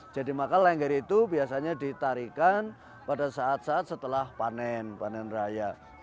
jadi maka lengger itu biasanya ditarikan pada saat saat setelah panen panen raya